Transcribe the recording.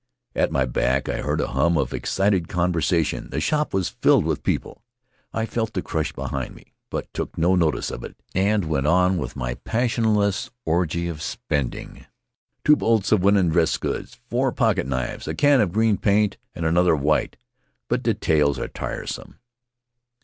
At my back I heard a hum of excited conversation. The shop was filled with people. I felt the crush behind me, but took no notice of it and went on with my passionless orgy of spending: two bolts of women's dress goods; four pocketknives ; a can of green paint and another of white — but details are tiresome.